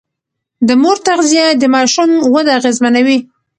د مور تغذيه د ماشوم وده اغېزمنوي.